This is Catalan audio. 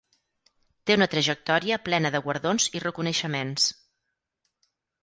Té una trajectòria plena de guardons i reconeixements.